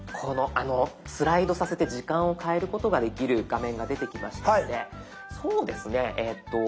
スライドさせて時間を変えることができる画面が出てきましたのでそうですねえっと